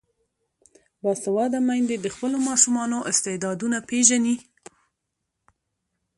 باسواده میندې د خپلو ماشومانو استعدادونه پیژني.